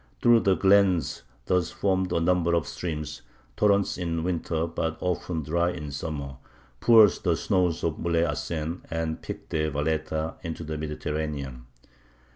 Through the glens thus formed a number of streams torrents in winter but often dry in summer pour the snows of Muleyhacen and the Pic de Valeta into the Mediterranean.